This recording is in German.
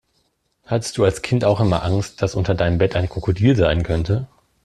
Hattest du als Kind auch immer Angst, dass unter deinem Bett ein Krokodil sein könnte?